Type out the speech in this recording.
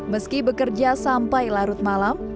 meski bekerja sampai larut malam